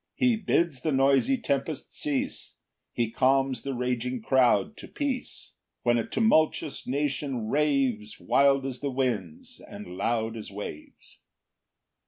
4 He bids the noisy tempest cease; He calms the raging crowd to peace, When a tumultuous nation raves Wild as the winds, and loud as waves.